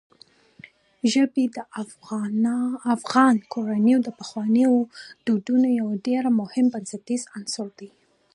ژبې د افغان کورنیو د پخوانیو دودونو یو ډېر مهم او بنسټیز عنصر دی.